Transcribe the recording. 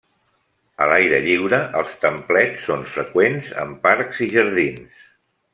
A l'aire lliure els templets són freqüents en parcs i jardins.